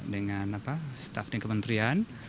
dengan staff di kementerian